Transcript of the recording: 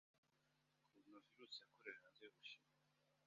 coronavirus yakorewe hanze y'Ubushinwa